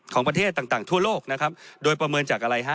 ของประเทศต่างทั่วโลกนะครับโดยประเมินจากอะไรฮะ